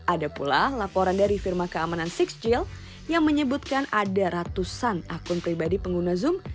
ada pula laporan dari firma keamanan six chill yang menyebutkan ada ratusan akun pribadi pengguna zoom